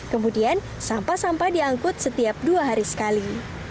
kemudian sampah sampah diangkut setiap dua hari sekali